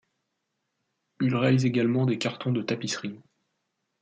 Il réalise également des cartons de tapisserie.